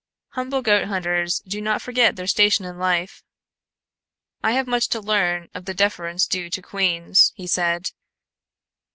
Humble goat hunters do not forget their station in life." "I have much to learn of the deference due to queens," he said.